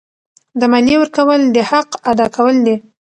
د مالیې ورکول د حق ادا کول دي.